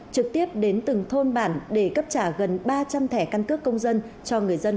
trực tiếp đến từng thôn bản để cấp trả gần ba trăm linh thẻ căn cước công dân